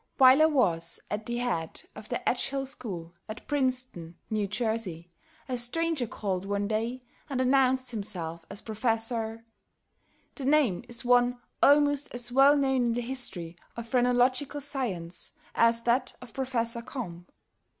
While I was at the head of the Edgehill school, at Princeton, N. J., a stranger called one day and announced himself as Prof. . The name is one almost as well known in the history of Phrenological science as that of Prof. Combe.